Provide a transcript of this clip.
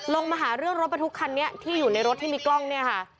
มาหาเรื่องรถบรรทุกคันนี้ที่อยู่ในรถที่มีกล้องเนี่ยค่ะ